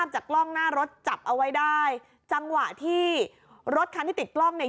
จากกล้องหน้ารถจับเอาไว้ได้จังหวะที่รถคันที่ติดกล้องเนี่ย